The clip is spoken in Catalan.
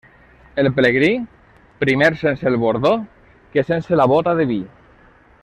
El pelegrí, primer sense el bordó que sense la bóta del vi.